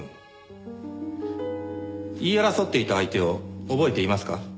言い争っていた相手を覚えていますか？